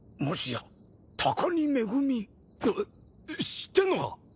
知ってんのか？